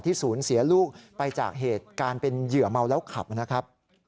ศูนย์เสียลูกไปจากเหตุการณ์เป็นเหยื่อเมาแล้วขับนะครับ